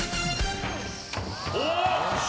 おっ！